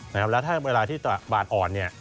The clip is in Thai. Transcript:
แล้วถ้าเวลาที่บาทอ่อนเนี่ย